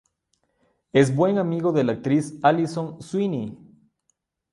Es buen amigo de la actriz Alison Sweeney.